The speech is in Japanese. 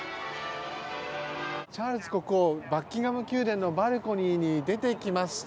チャールズ国王バッキンガム宮殿のバルコニーに出てきました。